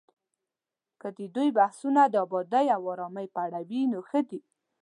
که د دوی بحثونه د ابادۍ او ارامۍ په اړه وي، نو ښه دي